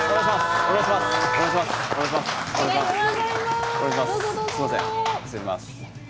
失礼します。